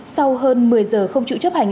sau hơn một mươi giờ không chủ chấp hành